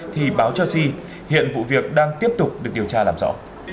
thì báo cho si hiện vụ việc đang tiếp tục được điều tra làm rõ